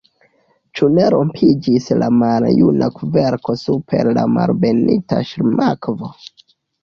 Ĉu ne rompiĝis la maljuna kverko super la Malbenita Ŝlimakvo?